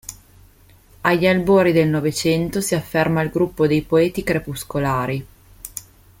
Agli albori del Novecento si afferma il gruppo dei poeti crepuscolari.